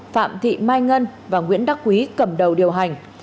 phạm thị mai ngân và nguyễn đắc quý cầm đầu điều hành